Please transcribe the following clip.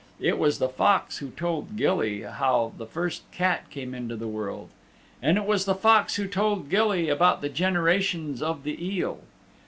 It was the Fox who told Gilly how the first cat came into the world. And it was the Fox who told Gilly about the generations of the eel.